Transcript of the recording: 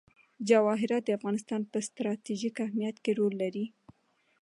جواهرات د افغانستان په ستراتیژیک اهمیت کې رول لري.